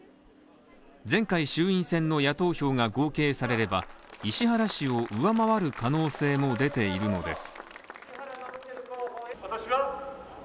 前回、衆院選の野党票が合計されれば石原氏を上回る可能性も出ているのです。